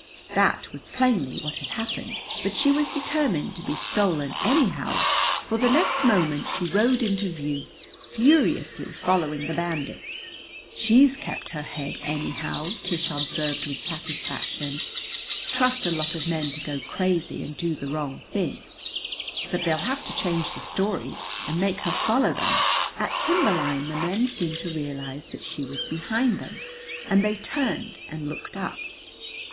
That was plainly what had happened, but she was determined to be stolen anyhow, for the next moment she rode into view, furiously following the bandits. "She's kept her head anyhow," Tish observed with satisfaction. "Trust a lot of men to go crazy and do the wrong thing. But they'll have to change the story and make her follow them." At timber line the men seemed to realize that she was behind them, and they turned and looked up.